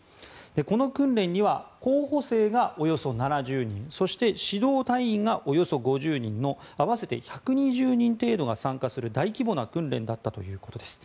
この訓練には候補生がおよそ７０人そして指導隊員がおよそ５０人の合わせて１２０人程度が参加する大規模な訓練だったということです。